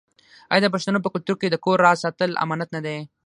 آیا د پښتنو په کلتور کې د کور راز ساتل امانت نه دی؟